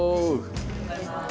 おはようございます。